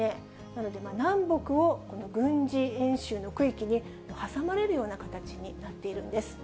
なので、南北を軍事演習の区域に挟まれるような形になっているんです。